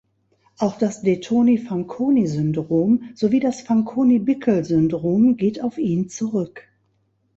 Auch das De-Toni-Fanconi-Syndrom sowie das Fanconi-Bickel-Syndrom geht auf ihn zurück.